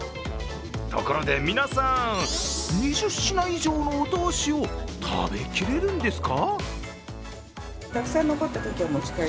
ところで皆さん、２０品以上のお通しを食べきれるんですか？